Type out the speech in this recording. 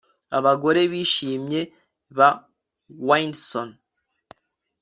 Abagore Bishimye ba Windsor